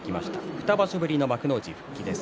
２場所ぶりの復帰です。